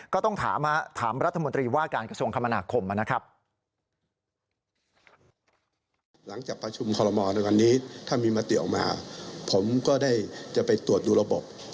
ก็ต้องถามถามรัฐมนตรีว่าการกระทรวงคมนาคมนะครับ